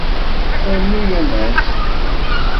Rnu aman.